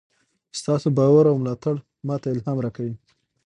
ستاسو باور او ملاتړ ماته الهام راکوي.